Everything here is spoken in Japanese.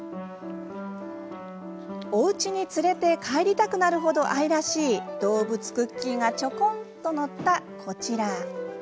おうちに連れて帰りたくなるほど愛らしい動物クッキーがちょこんと載ったこちら。